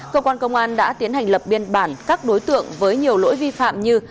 công an đã tiến hành lập biên bản các đối tượng với nhiều lỗi vi phạm như